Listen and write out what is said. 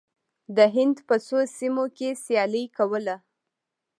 د هند په څو سیمو کې سیالي کوله.